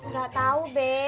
gak tau be